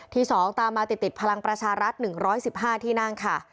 ที่๒ตามมาติดพลังประชารัฐ๑๑๕ที่นั่งค่ะ